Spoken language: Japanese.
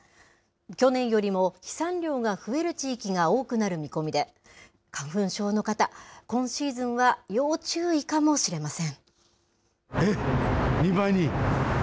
去年よりも飛散量が増える地域が多くなる見込みで、花粉症の方、今シーズンは要注意かもしれません。